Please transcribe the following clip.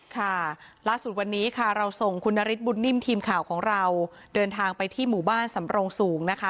ค่ะล่าสุดวันนี้ค่ะเราส่งคุณนฤทธบุญนิ่มทีมข่าวของเราเดินทางไปที่หมู่บ้านสำโรงสูงนะคะ